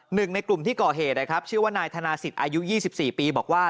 หนึ่งในกลุ่มที่ก่อเหตุนะครับชื่อว่านายธนาศิษย์อายุ๒๔ปีบอกว่า